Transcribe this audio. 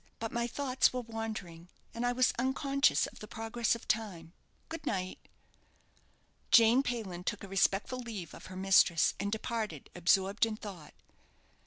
But my thoughts were wandering, and I was unconscious of the progress of time. Good night!" Jane Payland took a respectful leave of her mistress, and departed, absorbed in thought.